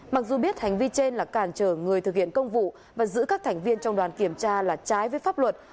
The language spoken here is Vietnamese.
mặc dù biết hành vi trên là cản trở người thực hiện công vụ và giữ các thành viên trong đoàn kiểm tra là trái với pháp luật